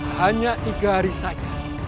hanya tiga hari saja